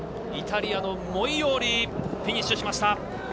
イタリアのモイオーリフィニッシュしました。